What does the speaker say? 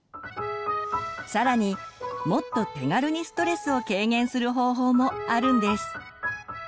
さらにもっと手軽にストレスを軽減する方法もあるんです。